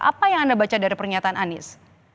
apa yang anda baca dari pernyataan anies